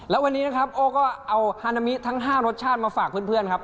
แล้ววันนี้นะครับโอ้ก็เอาฮานามิทั้ง๕รสชาติมาฝากเพื่อนครับ